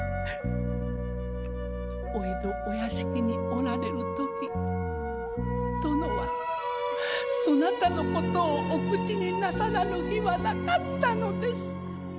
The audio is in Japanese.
お江戸屋敷におられるとき殿はそなたの事をお口になさらぬ日はなかったのです。